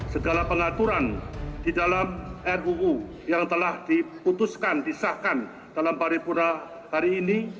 segala pengaturan di dalam ruu yang telah diputuskan disahkan dalam paripurna hari ini